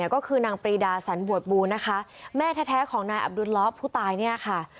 ก็คือนางปรีดาสันบวชบูนะคะแม่แท้ของนายอับดุลล้อผู้ตายเนี่ยค่ะ